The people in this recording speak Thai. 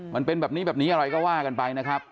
มันเป็นแบบนี้แบบนี้อะไรก็ว่ากันไปนะครับ